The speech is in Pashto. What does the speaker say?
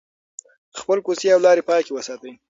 خپلې کوڅې او لارې پاکې وساتئ.